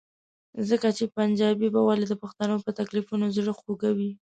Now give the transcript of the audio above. ځکه چې پنجابی به ولې د پښتنو په تکلیفونو زړه خوږوي؟